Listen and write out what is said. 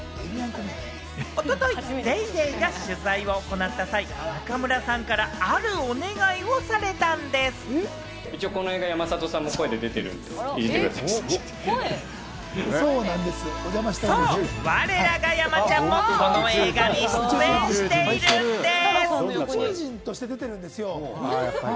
一昨日『ＤａｙＤａｙ．』が取材を行った際、中村さんからあるおそうなんですよ。そう、我らが山ちゃんもこの映画に出演しているんでぃす。